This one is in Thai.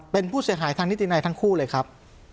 เป็นผู้เสียหายทางนิตินัยทั้งคู่เลยครับ